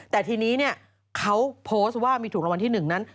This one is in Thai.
แต่ทีนี้เขาโพสต์ว่ามีถูกรางวัลที่๑นั้น